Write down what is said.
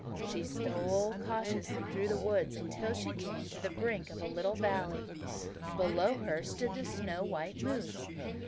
She stole cautiously through the woods until she came to the brink of a little valley. Below her stood the snow white moose.